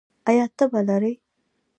ایا تبه لرئ؟